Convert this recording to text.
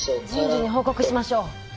人事に報告しましょう。